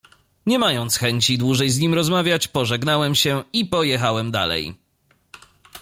"Nie mając chęci dłużej z nim rozmawiać, pożegnałem się i pojechałem dalej."